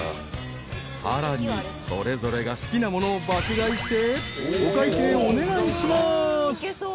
［さらにそれぞれが好きなものを爆買いしてお会計お願いします］